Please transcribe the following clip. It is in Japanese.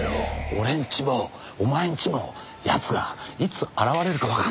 俺んちもお前んちも奴がいつ現れるかわかんないだろ。